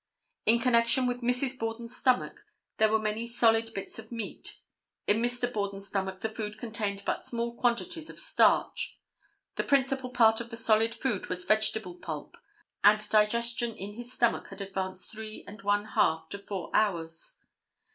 In connection with Mrs. Borden's stomach there were many solid bits of meat. In Mr. Borden's stomach the food contained but small quantities of starch. The principal part of the solid food was vegetable pulp, and digestion in his stomach had advanced three and one half to four hours.